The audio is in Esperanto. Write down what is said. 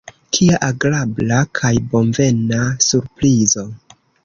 Kia agrabla kaj bonvena surprizo!